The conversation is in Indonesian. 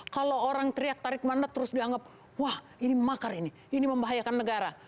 kalau orang teriak tarik mandat terus dianggap wah ini makar ini ini membahayakan negara